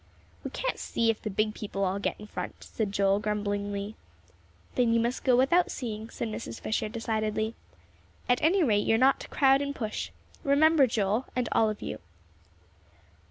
"We can't see if the big people all get in front," said Joel, grumblingly. "Then you must go without seeing," said Mrs. Fisher, decidedly. "At any rate, you are not to crowd and push. Remember, Joel, and all of you."